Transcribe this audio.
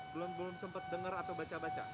belum sempet denger atau baca baca